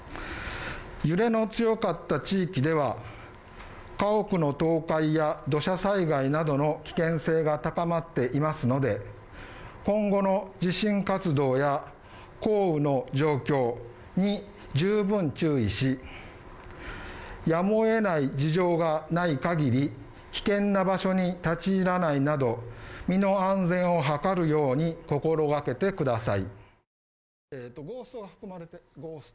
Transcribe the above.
揺れの強かった地域では、家屋の倒壊や土砂災害などの危険性が高まっていますので、今後の地震活動や降雨の状況に十分注意し、やむを得ない事情がない限り、危険な場所に立ちいらないなど身の安全を図るように心がけてください。